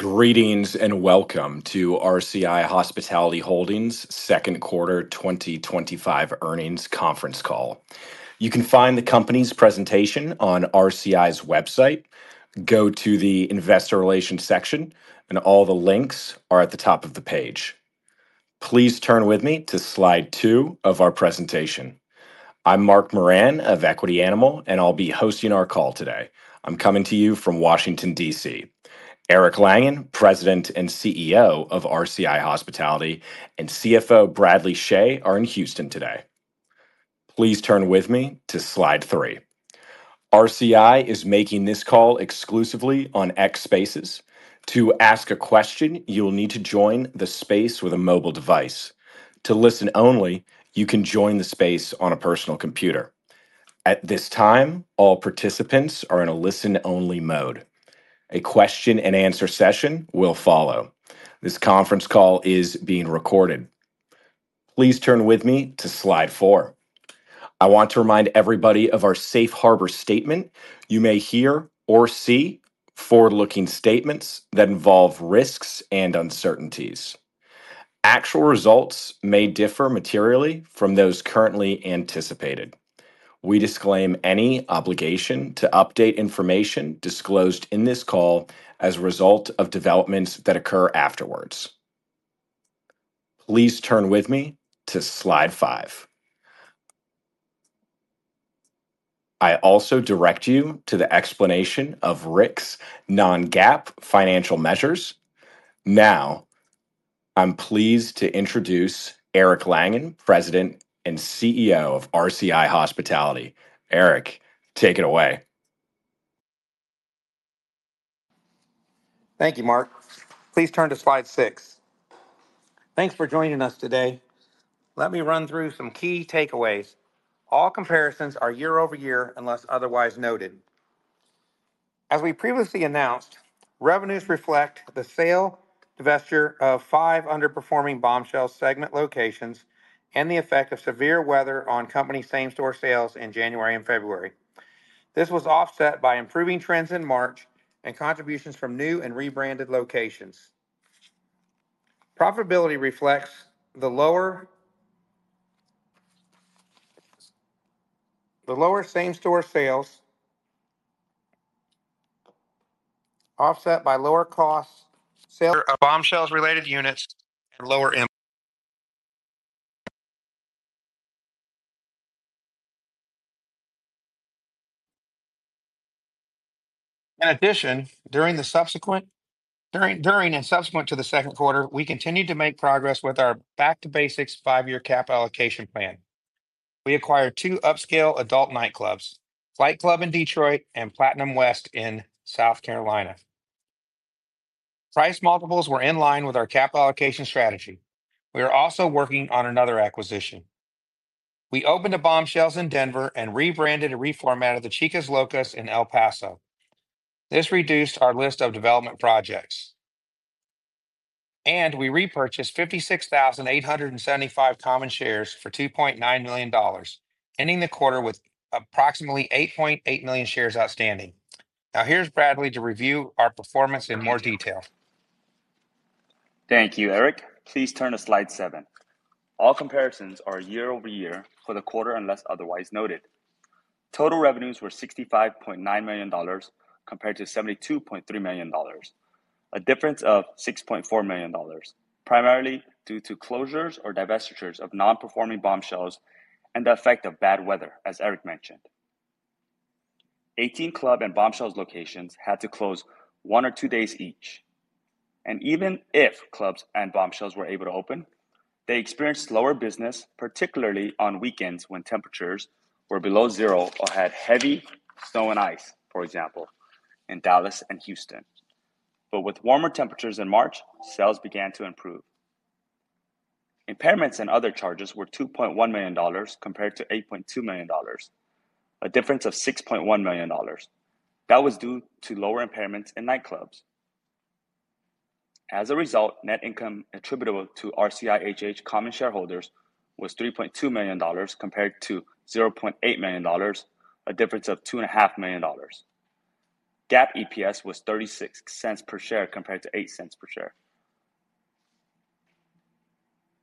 Greetings and welcome to RCI Hospitality Holdings' Second Quarter 2025 Earnings Conference Call. You can find the company's presentation on RCI's website. Go to the investor relations section, and all the links are at the top of the page. Please turn with me to slide two of our presentation. I'm Mark Moran of Equity Animal, and I'll be hosting our call today. I'm coming to you from Washington, D.C. Eric Langan, President and CEO of RCI Hospitality, and CFO Bradley Chhay are in Houston today. Please turn with me to slide three. RCI is making this call exclusively on X Spaces. To ask a question, you'll need to join the space with a mobile device. To listen only, you can join the space on a personal computer. At this time, all participants are in a listen-only mode. A question-and-answer session will follow. This conference call is being recorded. Please turn with me to slide four. I want to remind everybody of our safe harbor statement. You may hear or see forward-looking statements that involve risks and uncertainties. Actual results may differ materially from those currently anticipated. We disclaim any obligation to update information disclosed in this call as a result of developments that occur afterwards. Please turn with me to slide five. I also direct you to the explanation of RCI's non-GAAP financial measures. Now, I'm pleased to introduce Eric Langan, President and CEO of RCI Hospitality. Eric, take it away. Thank you, Mark. Please turn to slide six. Thanks for joining us today. Let me run through some key takeaways. All comparisons are year-over-year unless otherwise noted. As we previously announced, revenues reflect the sale to Vesture of five underperforming Bombshells segment locations and the effect of severe weather on company same-store sales in January and February. This was offset by improving trends in March and contributions from new and rebranded locations. Profitability reflects the lower same-store sales, offset by lower costs of Bombshells-related units and lower income. In addition, during the subsequent to the second quarter, we continued to make progress with our back-to-basics 5-year cap allocation plan. We acquired two upscale adult nightclubs, Flight Club in Detroit and Platinum West in South Carolina. Price multiples were in line with our cap allocation strategy. We are also working on another acquisition. We opened a Bombshells in Denver and rebranded and reformatted the Chica Locus in El Paso. This reduced our list of development projects. We repurchased 56,875 common shares for $2.9 million, ending the quarter with approximately 8.8 million shares outstanding. Now, here's Bradley to review our performance in more detail. Thank you, Eric. Please turn to slide seven. All comparisons are year-over-year for the quarter unless otherwise noted. Total revenues were $65.9 million compared to $72.3 million, a difference of $6.4 million, primarily due to closures or divestitures of non-performing Bombshells and the effect of bad weather, as Eric mentioned. Eighteen club and Bombshells locations had to close one or two days each. Even if clubs and Bombshells were able to open, they experienced slower business, particularly on weekends when temperatures were below zero or had heavy snow and ice, for example, in Dallas and Houston. With warmer temperatures in March, sales began to improve. Impairments and other charges were $2.1 million compared to $8.2 million, a difference of $6.1 million. That was due to lower impairments in nightclubs. As a result, net income attributable to RCI Hospitality Holdings common shareholders was $3.2 million compared to $0.8 million, a difference of $2.5 million. GAAP EPS was $0.36 per share compared to $0.08 per share.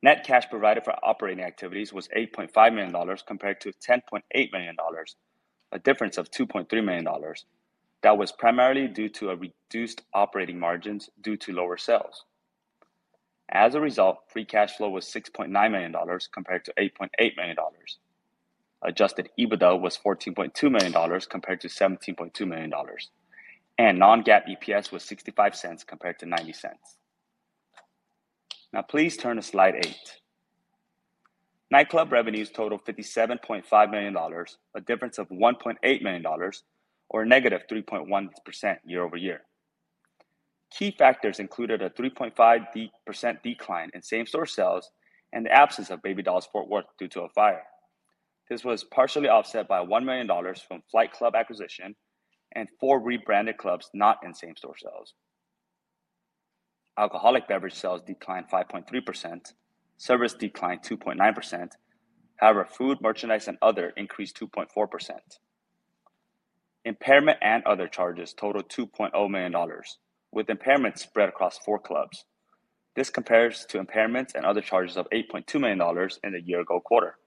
Net cash provided for operating activities was $8.5 million compared to $10.8 million, a difference of $2.3 million. That was primarily due to reduced operating margins due to lower sales. As a result, free cash flow was $6.9 million compared to $8.8 million. Adjusted EBITDA was $14.2 million compared to $17.2 million. Non-GAAP EPS was $0.65 compared to $0.90. Now, please turn to slide eight. Nightclub revenues totaled $57.5 million, a difference of $1.8 million, or -3.1% year-over-year. Key factors included a 3.5% decline in same-store sales and the absence of Baby Dolls Fort Worth due to a fire. This was partially offset by $1 million from Flight Club acquisition and four rebranded clubs not in same-store sales. Alcoholic beverage sales declined 5.3%. Service declined 2.9%. However, food, merchandise, and other increased 2.4%. Impairment and other charges totaled $2.0 million, with impairments spread across four clubs. This compares to impairments and other charges of $8.2 million in the year-ago quarter.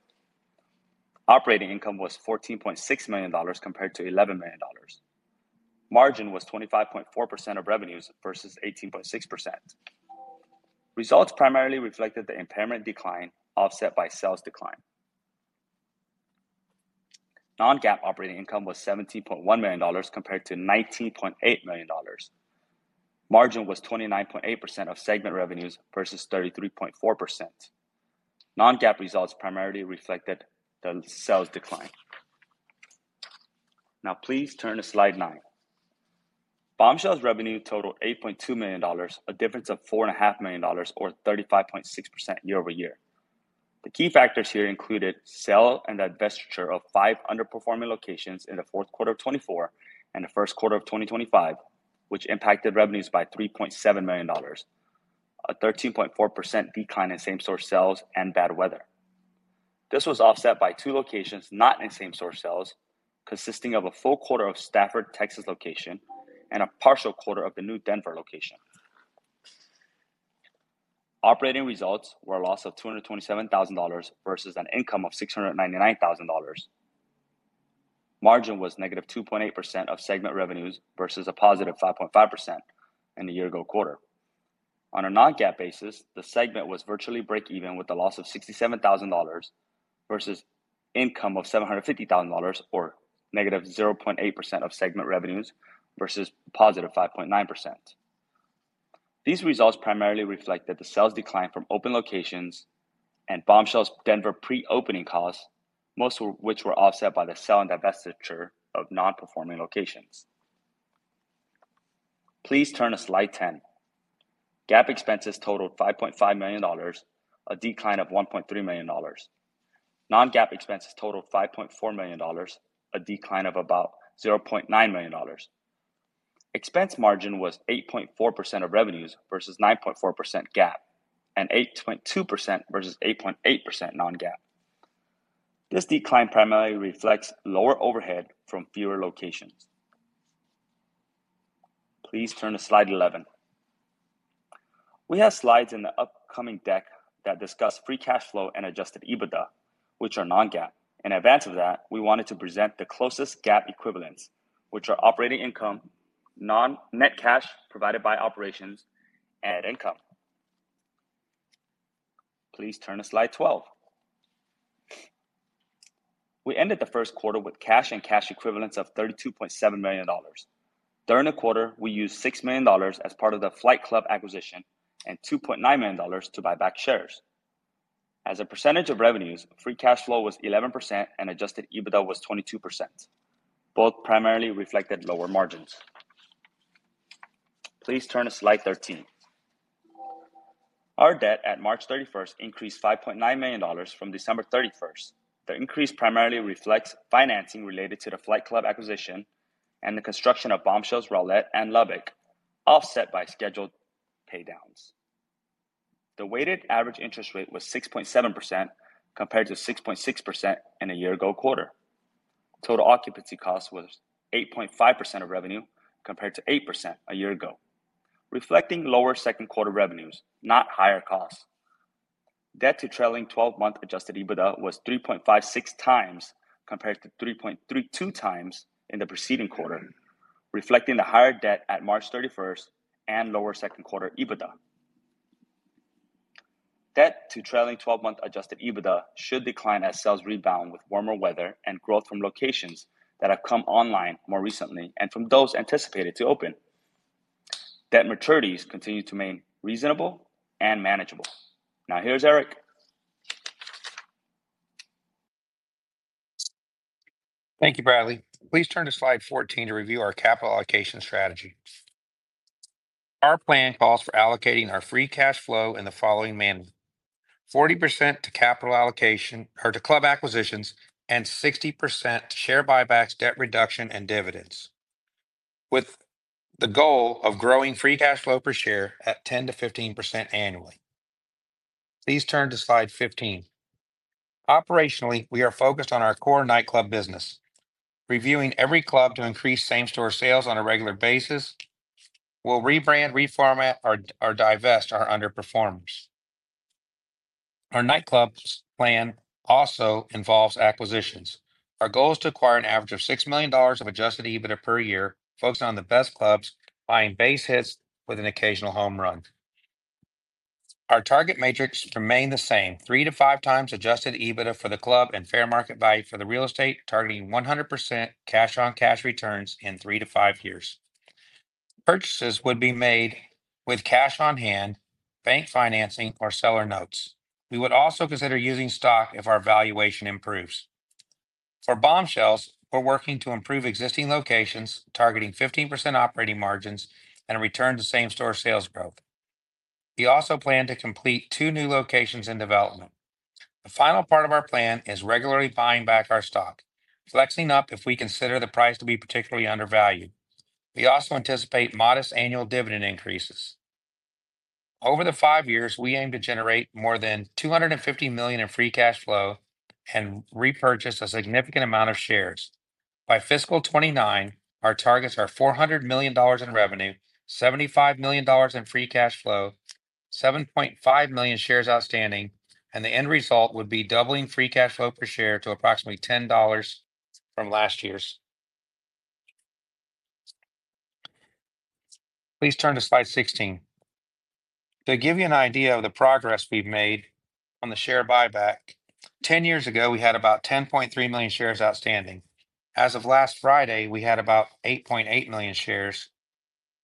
Operating income was $14.6 million compared to $11 million. Margin was 25.4% of revenues versus 18.6%. Results primarily reflected the impairment decline offset by sales decline. Non-GAAP operating income was $17.1 million compared to $19.8 million. Margin was 29.8% of segment revenues versus 33.4%. Non-GAAP results primarily reflected the sales decline. Now, please turn to slide nine. Bombshells revenue totaled $8.2 million, a difference of $4.5 million, or 35.6% year-over-year. The key factors here included sale and divestiture of five underperforming locations in the fourth quarter of 2024 and the first quarter of 2025, which impacted revenues by $3.7 million, a 13.4% decline in same-store sales and bad weather. This was offset by two locations not in same-store sales, consisting of a full quarter of Stafford, Texas location, and a partial quarter of the new Denver location. Operating results were a loss of $227,000 versus an income of $699,000. Margin was -2.8% of segment revenues versus a +5.5% in the year-ago quarter. On a non-GAAP basis, the segment was virtually break-even with a loss of $67,000 versus income of $750,000, or -0.8% of segment revenues versus +5.9%. These results primarily reflect the sales decline from open locations and Bombshells Denver pre-opening costs, most of which were offset by the sale and divestiture of non-performing locations. Please turn to slide ten. GAAP expenses totaled $5.5 million, a decline of $1.3 million. Non-GAAP expenses totaled $5.4 million, a decline of about $0.9 million. Expense margin was 8.4% of revenues versus 9.4% GAAP, and 8.2% versus 8.8% non-GAAP. This decline primarily reflects lower overhead from fewer locations. Please turn to slide 11. We have slides in the upcoming deck that discuss free cash flow and adjusted EBITDA, which are non-GAAP. In advance of that, we wanted to present the closest GAAP equivalents, which are operating income, non-net cash provided by operations, and net income. Please turn to slide 12. We ended the first quarter with cash and cash equivalents of $32.7 million. During the quarter, we used $6 million as part of the Flight Club acquisition and $2.9 million to buy back shares. As a percentage of revenues, free cash flow was 11%, and adjusted EBITDA was 22%. Both primarily reflected lower margins. Please turn to slide 13. Our debt at March 31 increased $5.9 million from December 31st. The increase primarily reflects financing related to the Flight Club acquisition and the construction of Bombshells Roulette and Lubbock, offset by scheduled paydowns. The weighted average interest rate was 6.7% compared to 6.6% in a year-ago quarter. Total occupancy cost was 8.5% of revenue compared to 8% a year ago, reflecting lower second quarter revenues, not higher costs. Debt to trailing 12-month adjusted EBITDA was 3.56x compared to 3.32x in the preceding quarter, reflecting the higher debt at March 31 and lower second quarter EBITDA. Debt to trailing 12-month adjusted EBITDA should decline as sales rebound with warmer weather and growth from locations that have come online more recently and from those anticipated to open. Debt maturities continue to remain reasonable and manageable. Now, here's Eric. Thank you, Bradley. Please turn to slide 14 to review our capital allocation strategy. Our plan calls for allocating our free cash flow in the following manner: 40% to capital allocation or to club acquisitions and 60% to share buybacks, debt reduction, and dividends, with the goal of growing free cash flow per share at 10%-15% annually. Please turn to slide 15. Operationally, we are focused on our core nightclub business, reviewing every club to increase same-store sales on a regular basis. We'll rebrand, reformat, or divest our underperformers. Our nightclub plan also involves acquisitions. Our goal is to acquire an average of $6 million of adjusted EBITDA per year, focusing on the best clubs, buying base hits with an occasional home run. Our target matrix remains the same: 3x-5x adjusted EBITDA for the club and fair market value for the real estate, targeting 100% cash-on-cash returns in three to five years. Purchases would be made with cash on hand, bank financing, or seller notes. We would also consider using stock if our valuation improves. For Bombshells, we're working to improve existing locations, targeting 15% operating margins and a return to same-store sales growth. We also plan to complete two new locations in development. The final part of our plan is regularly buying back our stock, flexing up if we consider the price to be particularly undervalued. We also anticipate modest annual dividend increases. Over the 5 years, we aim to generate more than $250 million in free cash flow and repurchase a significant amount of shares. By fiscal 2029, our targets are $400 million in revenue, $75 million in free cash flow, 7.5 million shares outstanding, and the end result would be doubling free cash flow per share to approximately $10 from last year's. Please turn to slide 16. To give you an idea of the progress we've made on the share buyback, 10 years ago, we had about 10.3 million shares outstanding. As of last Friday, we had about 8.8 million shares,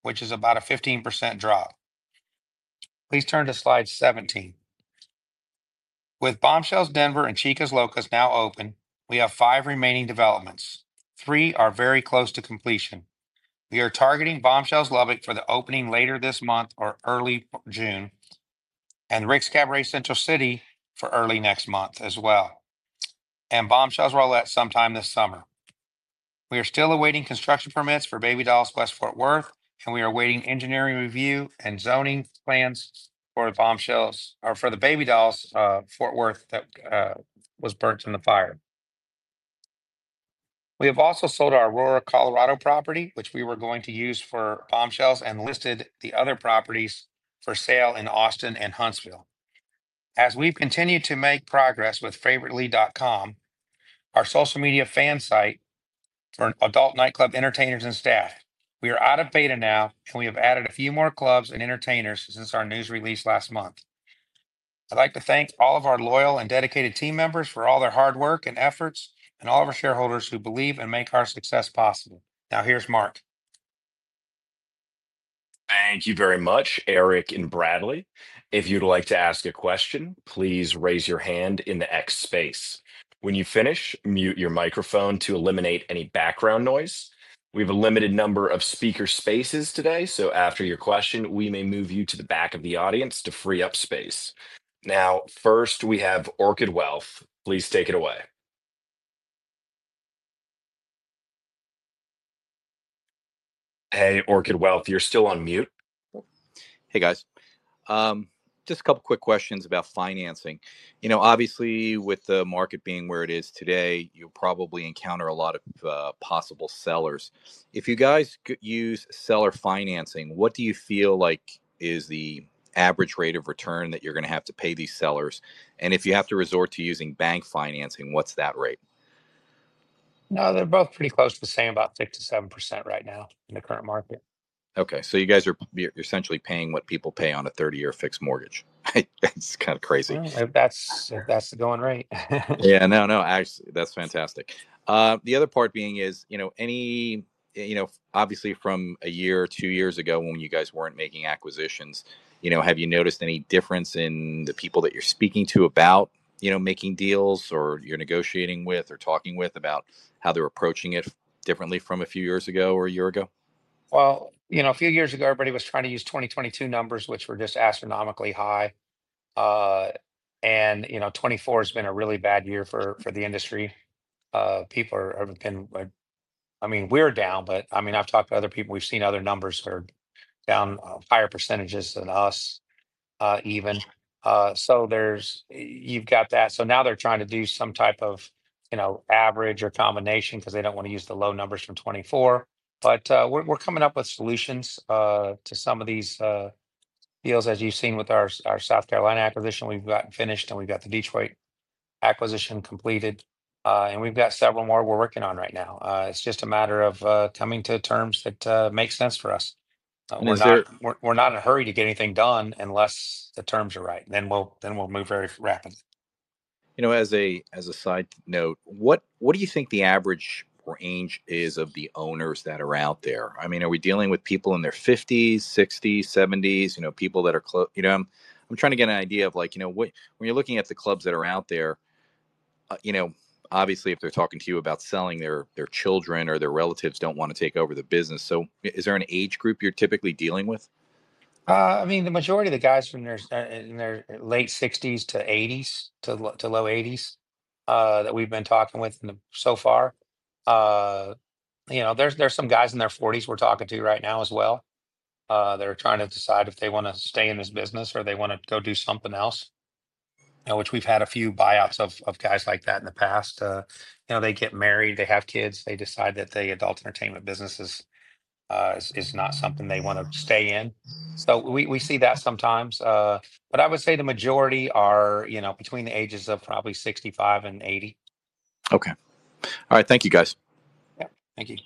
which is about a 15% drop. Please turn to slide 17. With Bombshells Denver and Chica's Locus now open, we have five remaining developments. Three are very close to completion. We are targeting Bombshells Lubbock for the opening later this month or early June, and Rick's Cabaret Central City for early next month as well, and Bombshells Roanoke sometime this summer. We are still awaiting construction permits for Baby Dolls Fort Worth West, and we are awaiting engineering review and zoning plans for the Baby Dolls Fort Worth that was burnt in the fire. We have also sold our Aurora, Colorado property, which we were going to use for Bombshells, and listed the other properties for sale in Austin and Huntsville. As we've continued to make progress with Favoritely.com, our social media fan site for adult nightclub entertainers and staff, we are out of beta now, and we have added a few more clubs and entertainers since our news release last month. I'd like to thank all of our loyal and dedicated team members for all their hard work and efforts, and all of our shareholders who believe and make our success possible. Now, here's Mark. Thank you very much, Eric and Bradley. If you'd like to ask a question, please raise your hand in the X Space. When you finish, mute your microphone to eliminate any background noise. We have a limited number of speaker spaces today, so after your question, we may move you to the back of the audience to free up space. Now, first, we have Orchid Wealth. Please take it away. Hey, Orchid Wealth, you're still on mute. Hey, guys. Just a couple of quick questions about financing. Obviously, with the market being where it is today, you'll probably encounter a lot of possible sellers. If you guys use seller financing, what do you feel like is the average rate of return that you're going to have to pay these sellers? If you have to resort to using bank financing, what's that rate? No, they're both pretty close to the same, about 6%-7% right now in the current market. Okay. So you guys are essentially paying what people pay on a 30-year fixed mortgage. That's kind of crazy. That's the going rate. Yeah. No, no, actually, that's fantastic. The other part being is, obviously, from a year or 2 years ago when you guys weren't making acquisitions, have you noticed any difference in the people that you're speaking to about making deals or you're negotiating with or talking with about how they're approaching it differently from a few years ago or a year ago? A few years ago, everybody was trying to use 2022 numbers, which were just astronomically high. '24 has been a really bad year for the industry. People have been—I mean, we're down, but I mean, I've talked to other people. We've seen other numbers that are down higher percentages than us even. You've got that. Now they're trying to do some type of average or combination because they don't want to use the low numbers from '24. We're coming up with solutions to some of these deals, as you've seen with our South Carolina acquisition. We've gotten finished, and we've got the Detroit acquisition completed. We've got several more we're working on right now. It's just a matter of coming to terms that make sense for us. We're not in a hurry to get anything done unless the terms are right. We'll move very rapidly. As a side note, what do you think the average range is of the owners that are out there? I mean, are we dealing with people in their 50s, 60s, 70s, people that are--I'm trying to get an idea of when you're looking at the clubs that are out there, obviously, if they're talking to you about selling, their children or their relatives don't want to take over the business. Is there an age group you're typically dealing with? I mean, the majority of the guys are in their late 60s to 80s, to low 80s that we've been talking with so far. There's some guys in their 40s we're talking to right now as well that are trying to decide if they want to stay in this business or they want to go do something else, which we've had a few buyouts of guys like that in the past. They get married, they have kids, they decide that the adult entertainment business is not something they want to stay in. We see that sometimes. I would say the majority are between the ages of probably 65 and 80. Okay. All right. Thank you, guys. Yeah. Thank you.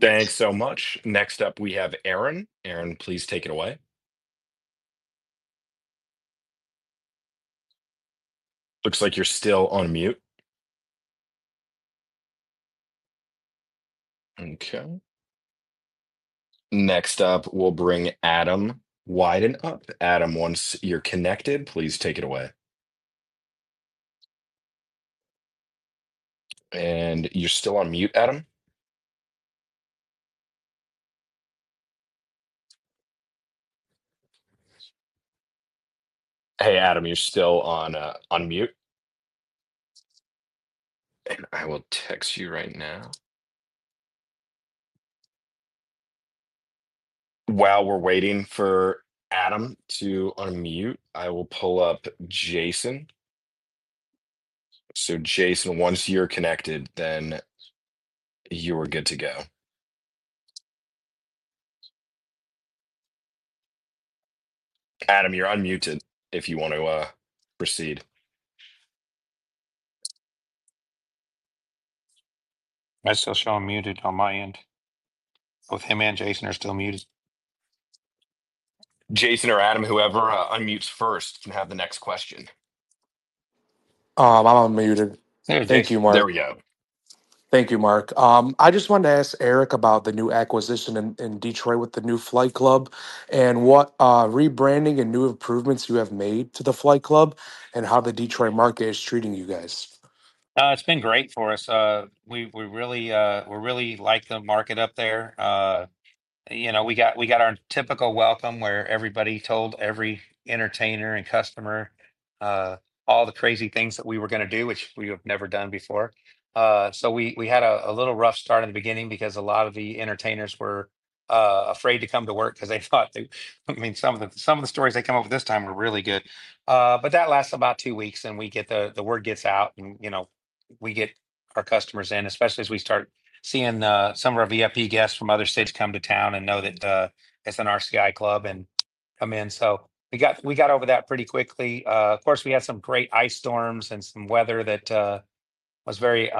Thanks so much. Next up, we have Aaron. Aaron, please take it away. Looks like you're still on mute. Okay. Next up, we'll bring Adam Widen up. Adam, once you're connected, please take it away. You're still on mute, Adam? Hey, Adam, you're still on mute. I will text you right now. While we're waiting for Adam to unmute, I will pull up Jason. Jason, once you're connected, you are good to go. Adam, you're unmuted if you want to proceed. I still show unmuted on my end. Both him and Jason are still muted. Jason or Adam, whoever unmutes first can have the next question. I'm unmuted. Thank you, Mark. There we go. Thank you, Mark. I just wanted to ask Eric about the new acquisition in Detroit with the new Flight Club and what rebranding and new improvements you have made to the Flight Club and how the Detroit market is treating you guys? It's been great for us. We really like the market up there. We got our typical welcome where everybody told every entertainer and customer all the crazy things that we were going to do, which we have never done before. We had a little rough start in the beginning because a lot of the entertainers were afraid to come to work because they thought that, I mean, some of the stories they come up with this time were really good. That lasts about 2 weeks, and the word gets out, and we get our customers in, especially as we start seeing some of our VIP guests from other cities come to town and know that it's an RCI club and come in. We got over that pretty quickly. Of course, we had some great ice storms and some weather that was very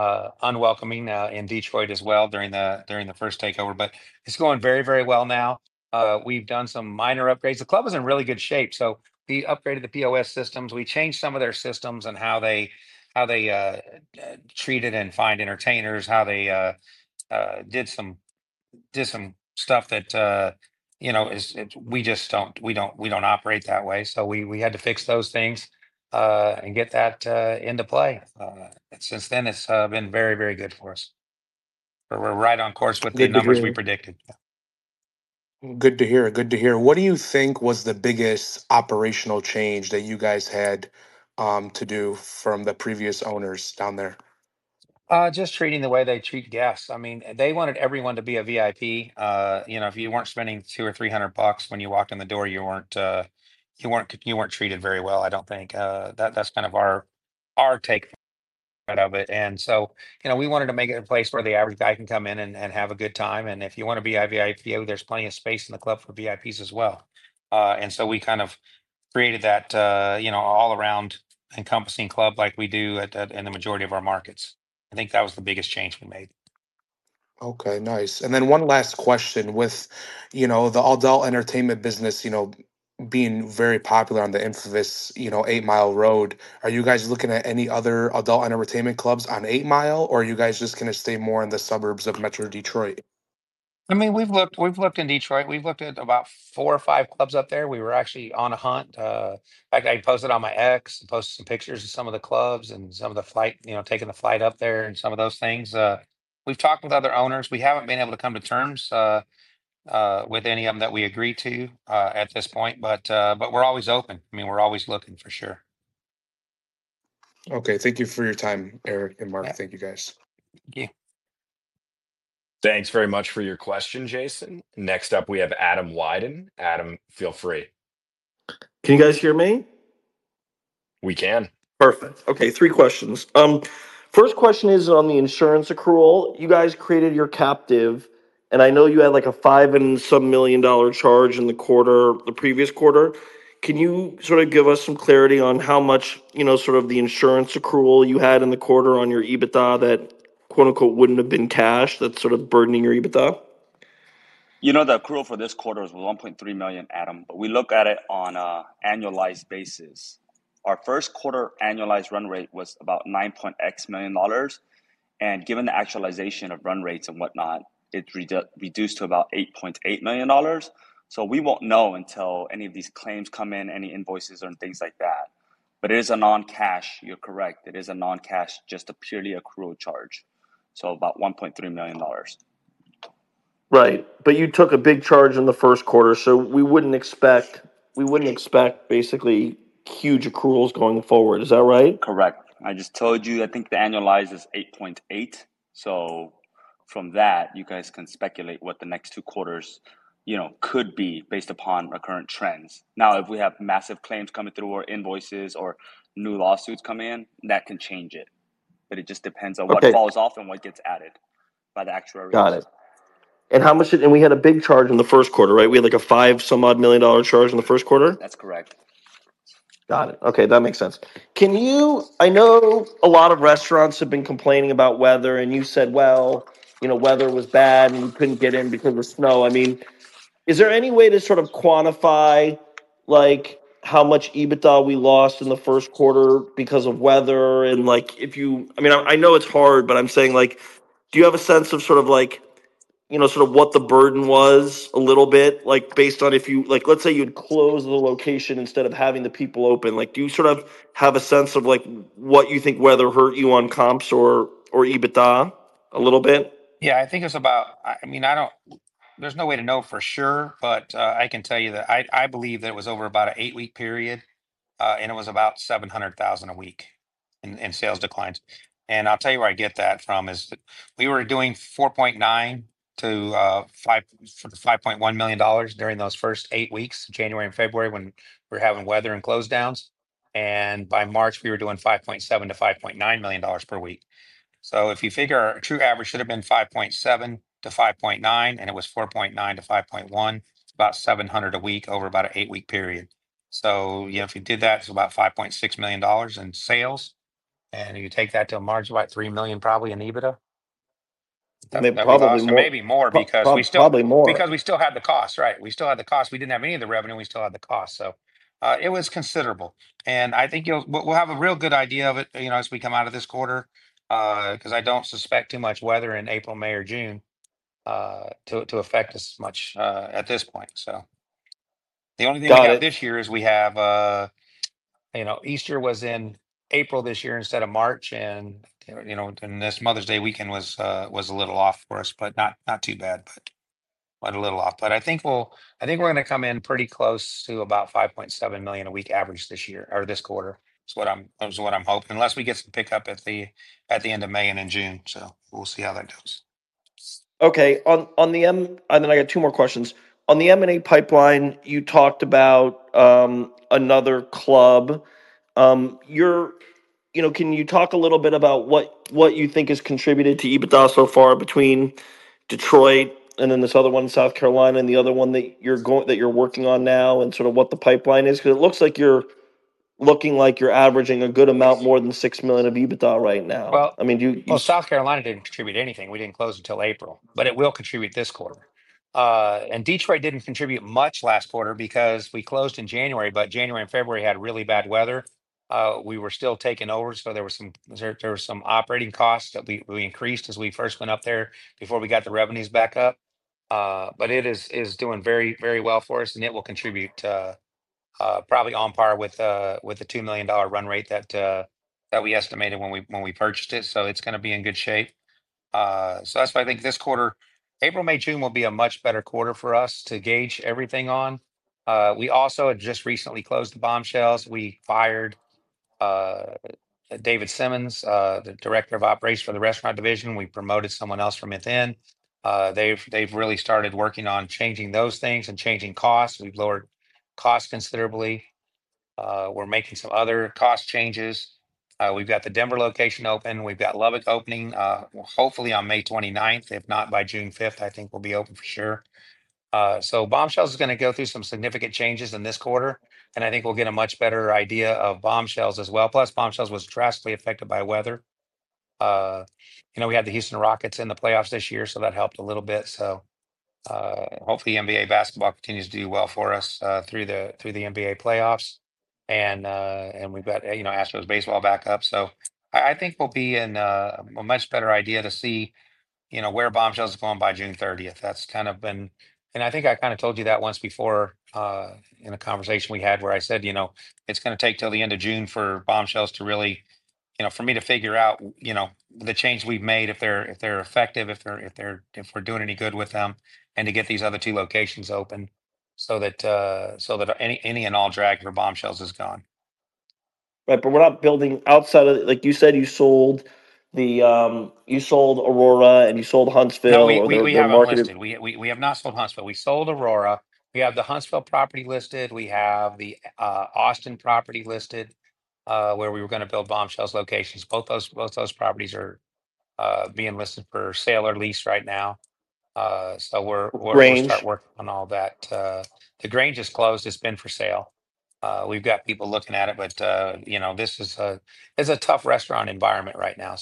unwelcoming in Detroit as well during the first takeover. It's going very, very well now. We've done some minor upgrades. The club was in really good shape. We upgraded the POS systems. We changed some of their systems and how they treated and find entertainers, how they did some stuff that we just don't operate that way. We had to fix those things and get that into play. Since then, it's been very, very good for us. We're right on course with the numbers we predicted. Good to hear. Good to hear. What do you think was the biggest operational change that you guys had to do from the previous owners down there? Just treating the way they treat guests. I mean, they wanted everyone to be a VIP. If you were not spending $200 or $300 when you walked in the door, you were not treated very well, I do not think. That is kind of our take of it. We wanted to make it a place where the average guy can come in and have a good time. If you want to be a VIP, there is plenty of space in the club for VIPs as well. We kind of created that all-around encompassing club like we do in the majority of our markets. I think that was the biggest change we made. Okay. Nice. One last question. With the adult entertainment business being very popular on the infamous Eight Mile Road, are you guys looking at any other adult entertainment clubs on Eight Mile, or are you guys just going to stay more in the suburbs of Metro Detroit? I mean, we've looked in Detroit. We've looked at about four or five clubs up there. We were actually on a hunt. I posted on my X, posted some pictures of some of the clubs and some of the flight, taking the flight up there and some of those things. We've talked with other owners. We haven't been able to come to terms with any of them that we agreed to at this point, but we're always open. I mean, we're always looking for sure. Okay. Thank you for your time, Eric and Mark. Thank you, guys. Thank you. Thanks very much for your question, Jason. Next up, we have Adam Widen. Adam, feel free. Can you guys hear me? We can. Perfect. Okay. Three questions. First question is on the insurance accrual. You guys created your captive, and I know you had like a five-and-some million dollar charge in the quarter, the previous quarter. Can you sort of give us some clarity on how much sort of the insurance accrual you had in the quarter on your EBITDA that, quote-unquote, "wouldn't have been cash" that's sort of burdening your EBITDA? The accrual for this quarter was $1.3 million, Adam. We look at it on an annualized basis. Our first quarter annualized run rate was about $9.x million. Given the actualization of run rates and whatnot, it's reduced to about $8.8 million. We won't know until any of these claims come in, any invoices or things like that. It is a non-cash. You're correct. It is a non-cash, just a purely accrual charge. About $1.3 million. Right. But you took a big charge in the first quarter, so we would not expect basically huge accruals going forward. Is that right? Correct. I just told you, I think the annualized is 8.8 million. From that, you guys can speculate what the next two quarters could be based upon our current trends. If we have massive claims coming through or invoices or new lawsuits coming in, that can change it. It just depends on what falls off and what gets added by the actuarial side. Got it. We had a big charge in the first quarter, right? We had like a five-some-odd million dollar charge in the first quarter? That's correct. Got it. Okay. That makes sense. I know a lot of restaurants have been complaining about weather, and you said, "Well, weather was bad and we couldn't get in because of snow." I mean, is there any way to sort of quantify how much EBITDA we lost in the first quarter because of weather? I mean, I know it's hard, but I'm saying, do you have a sense of sort of what the burden was a little bit based on if you—let's say you'd close the location instead of having the people open. Do you sort of have a sense of what you think weather hurt you on comps or EBITDA a little bit? Yeah. I think it was about—I mean, there's no way to know for sure, but I can tell you that I believe that it was over about an eight-week period, and it was about $700,000 a week in sales declines. And I'll tell you where I get that from is we were doing $4.9 million-$5.1 million during those first eight weeks, January and February, when we were having weather and close downs. And by March, we were doing $5.7 million-$5.9 million per week. If you figure our true average should have been $5.7 million-$5.9 million, and it was $4.9 million-$5.1 million, about $700,000 a week over about an 8-week period. If you did that, it's about $5.6 million in sales. If you take that to a margin, about $3 million probably in EBITDA. Probably more. Maybe more because we still— Probably more. Because we still had the cost, right? We still had the cost. We did not have any of the revenue. We still had the cost. It was considerable. I think we will have a real good idea of it as we come out of this quarter because I do not suspect too much weather in April, May, or June to affect us much at this point. The only thing we have this year is we have Easter was in April this year instead of March. This Mother's Day weekend was a little off for us, not too bad, but a little off. I think we are going to come in pretty close to about $5.7 million a week average this year or this quarter is what I am hoping, unless we get some pickup at the end of May and in June. We will see how that goes. Okay. I got two more questions. On the M&A pipeline, you talked about another club. Can you talk a little bit about what you think has contributed to EBITDA so far between Detroit and then this other one in South Carolina and the other one that you're working on now and sort of what the pipeline is? It looks like you're averaging a good amount more than $6 million of EBITDA right now. I mean, you— South Carolina didn't contribute anything. We didn't close until April, but it will contribute this quarter. Detroit didn't contribute much last quarter because we closed in January, but January and February had really bad weather. We were still taking over, so there were some operating costs that we increased as we first went up there before we got the revenues back up. It is doing very, very well for us, and it will contribute probably on par with the $2 million run rate that we estimated when we purchased it. It is going to be in good shape. That is why I think this quarter, April, May, June will be a much better quarter for us to gauge everything on. We also had just recently closed the Bombshells. We fired David Simmons, the Director of Operations for the restaurant division. We promoted someone else from within. They've really started working on changing those things and changing costs. We've lowered costs considerably. We're making some other cost changes. We've got the Denver location open. We've got Lubbock opening, hopefully on May 29th. If not, by June 5th, I think we'll be open for sure. Bombshells is going to go through some significant changes in this quarter, and I think we'll get a much better idea of Bombshells as well. Plus, Bombshells was drastically affected by weather. We had the Houston Rockets in the playoffs this year, so that helped a little bit. Hopefully, NBA basketball continues to do well for us through the NBA playoffs. We've got Astros baseball back up. I think we'll be in a much better idea to see where Bombshells are going by June 30th. That's kind of been—and I think I kind of told you that once before in a conversation we had where I said it's going to take till the end of June for Bombshells to really—for me to figure out the change we've made, if they're effective, if we're doing any good with them, and to get these other two locations open so that any and all drag for Bombshells is gone. We're not building outside of—like you said, you sold Aurora and you sold Huntsville. No, we have not listed. We have not sold Huntsville. We sold Aurora. We have the Huntsville property listed. We have the Austin property listed where we were going to build Bombshells locations. Both those properties are being listed for sale or lease right now. We are going to start working on all that. The Grain just closed. It has been for sale. We have people looking at it, but this is a tough restaurant environment right now.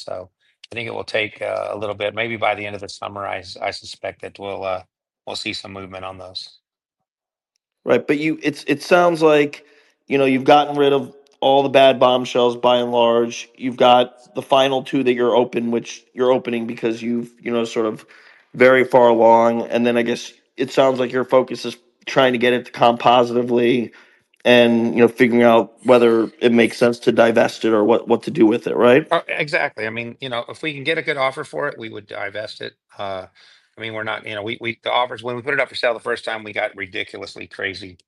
I think it will take a little bit. Maybe by the end of the summer, I suspect that we will see some movement on those. Right. But it sounds like you've gotten rid of all the bad Bombshells by and large. You've got the final two that you're open, which you're opening because you've sort of very far along. I guess it sounds like your focus is trying to get it to comp positively and figuring out whether it makes sense to divest it or what to do with it, right? Exactly. I mean, if we can get a good offer for it, we would divest it. I mean, we're not—the offers, when we put it up for sale the first time, we got ridiculously crazy.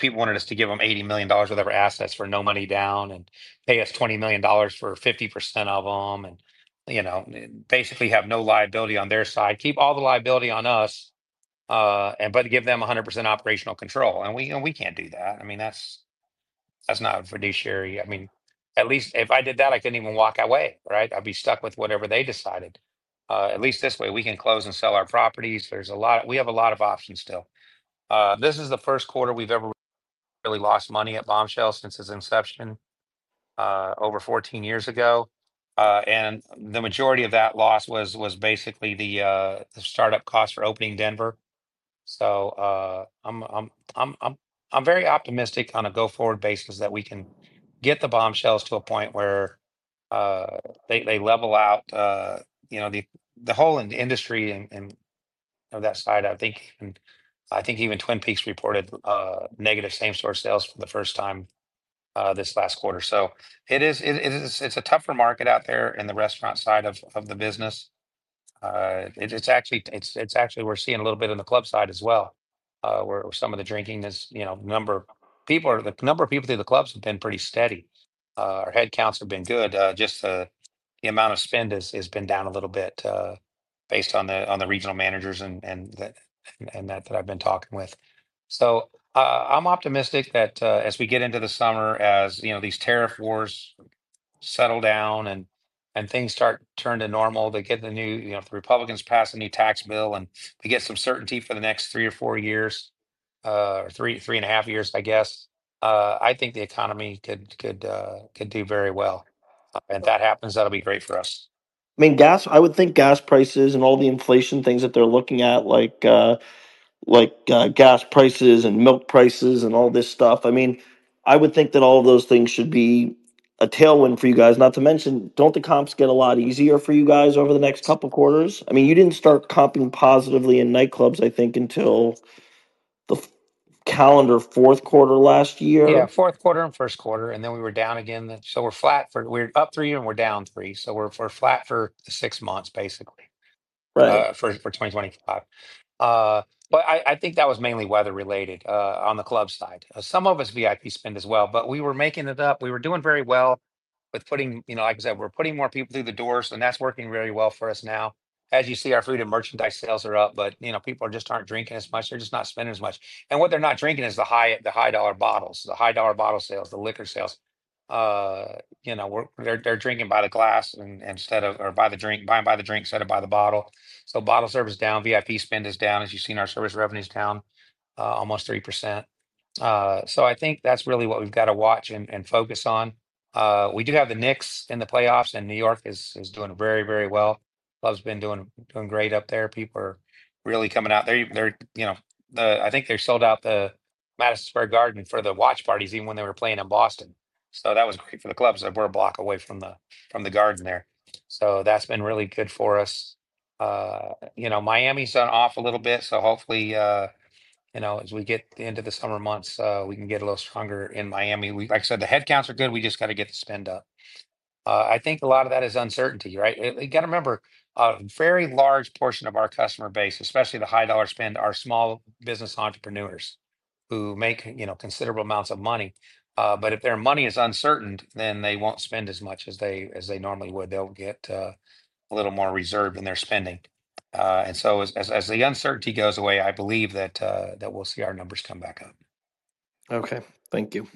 People wanted us to give them $80 million worth of assets for no money down and pay us $20 million for 50% of them and basically have no liability on their side, keep all the liability on us, but give them 100% operational control. I mean, we can't do that. I mean, that's not fiduciary. I mean, at least if I did that, I couldn't even walk away, right? I'd be stuck with whatever they decided. At least this way, we can close and sell our properties. We have a lot of options still. This is the first quarter we've ever really lost money at Bombshells since its inception over 14 years ago. The majority of that loss was basically the startup cost for opening Denver. I'm very optimistic on a go-forward basis that we can get the Bombshells to a point where they level out the whole industry and that side. I think even Twin Peaks reported negative same-store sales for the first time this last quarter. It's a tougher market out there in the restaurant side of the business. It's actually—we're seeing a little bit in the club side as well, where some of the drinking is number of people—the number of people through the clubs have been pretty steady. Our headcounts have been good. Just the amount of spend has been down a little bit based on the regional managers and that I've been talking with. I'm optimistic that as we get into the summer, as these tariff wars settle down and things start to turn to normal, they get the new—the Republicans pass a new tax bill, and we get some certainty for the next three or four years or three and a half years, I guess, I think the economy could do very well. If that happens, that'll be great for us. I mean, I would think gas prices and all the inflation things that they're looking at, like gas prices and milk prices and all this stuff, I mean, I would think that all of those things should be a tailwind for you guys. Not to mention, don't the comps get a lot easier for you guys over the next couple of quarters? I mean, you didn't start comping positively in nightclubs, I think, until the calendar fourth quarter last year? Yeah, fourth quarter and first quarter. Then we were down again. We are flat for—we are up three and we are down three. We are flat for six months, basically, for 2025. I think that was mainly weather-related on the club side. Some of it is VIP spend as well, but we were making it up. We were doing very well with putting—like I said, we are putting more people through the doors, and that is working very well for us now. As you see, our food and merchandise sales are up, but people just are not drinking as much. They are just not spending as much. What they are not drinking is the high-dollar bottles, the high-dollar bottle sales, the liquor sales. They are drinking by the glass instead of—or buying by the drink instead of by the bottle. Bottle service is down. VIP spend is down. As you've seen, our service revenue is down almost 3%. I think that's really what we've got to watch and focus on. We do have the Knicks in the playoffs, and New York is doing very, very well. Clubs have been doing great up there. People are really coming out there. I think they sold out the Madison Square Garden for the watch parties even when they were playing in Boston. That was great for the clubs. We're a block away from the garden there. That's been really good for us. Miami's done off a little bit. Hopefully, as we get into the summer months, we can get a little stronger in Miami. Like I said, the headcounts are good. We just got to get the spend up. I think a lot of that is uncertainty, right? You got to remember, a very large portion of our customer base, especially the high-dollar spend, are small business entrepreneurs who make considerable amounts of money. If their money is uncertain, then they won't spend as much as they normally would. They'll get a little more reserved in their spending. As the uncertainty goes away, I believe that we'll see our numbers come back up. Okay. Thank you.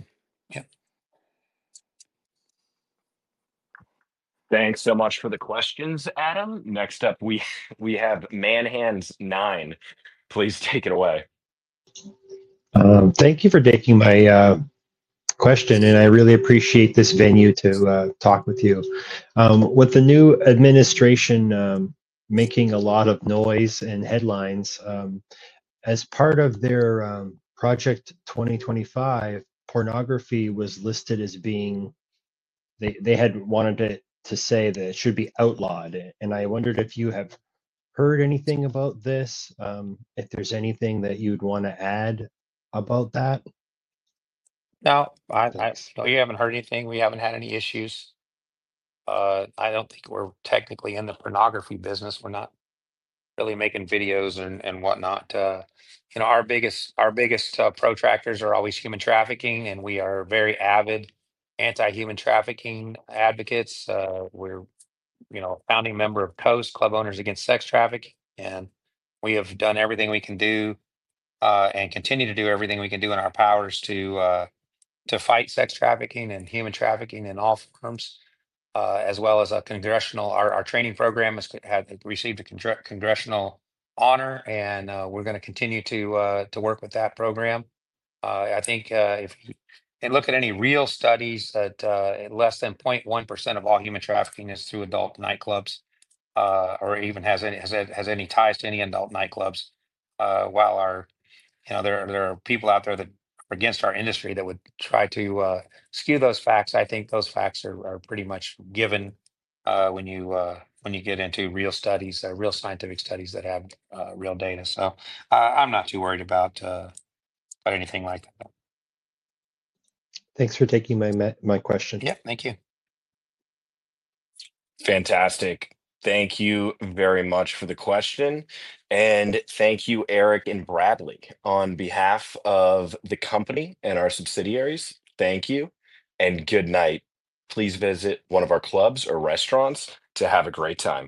Yeah. Thanks so much for the questions, Adam. Next up, we have Manhans Nine]. Please take it away. Thank you for taking my question, and I really appreciate this venue to talk with you. With the new administration making a lot of noise and headlines, as part of their Project 2025, pornography was listed as being—they had wanted to say that it should be outlawed. I wondered if you have heard anything about this, if there's anything that you'd want to add about that? No. We haven't heard anything. We haven't had any issues. I don't think we're technically in the pornography business. We're not really making videos and whatnot. Our biggest protractors are always human trafficking, and we are very avid anti-human trafficking advocates. We're a founding member of COAST, Club Owners Against Sex Trafficking. We have done everything we can do and continue to do everything we can do in our powers to fight sex trafficking and human trafficking in all forms, as well as our training program has received a congressional honor. We're going to continue to work with that program. I think if you look at any real studies, less than 0.1% of all human trafficking is through adult nightclubs or even has any ties to any adult nightclubs. While there are people out there that are against our industry that would try to skew those facts, I think those facts are pretty much given when you get into real studies, real scientific studies that have real data. So I'm not too worried about anything like that. Thanks for taking my question. Yep. Thank you. Fantastic. Thank you very much for the question. Thank you, Eric and Bradley, on behalf of the company and our subsidiaries. Thank you. Good night. Please visit one of our clubs or restaurants to have a great time.